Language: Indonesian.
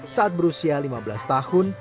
saat berusia lima belas tahun